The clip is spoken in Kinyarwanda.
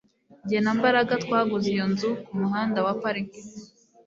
Jye na Mbaraga twaguze iyo nzu kumuhanda wa Park